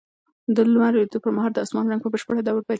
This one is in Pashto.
د لمر لوېدو پر مهال د اسمان رنګ په بشپړ ډول بدلېږي.